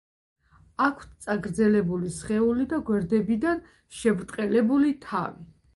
აქვთ წაგრძელებული სხეული და გვერდებიდან შებრტყელებული თავი.